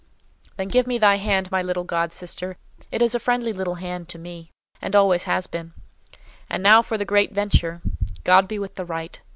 "Then give me thy hand, my little god sister: it is a friendly little hand to me, and always has been. And now for the great venture. God be with the right.